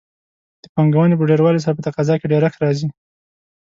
د پانګونې په ډېروالي سره په تقاضا کې ډېرښت راځي.